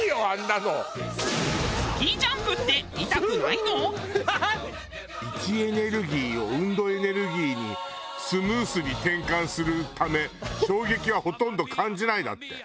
「位置エネルギーを運動エネルギーにスムーズに転換するため衝撃はほとんど感じない」だって。